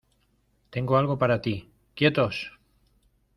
Tengo algo para ti. ¡ quietos!